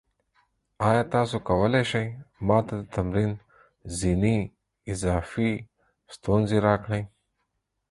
ایا تاسو کولی شئ ما ته د تمرین ځینې اضافي ستونزې راکړئ؟